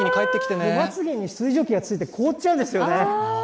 まつげに水蒸気がついて凍っちゃうんですよね。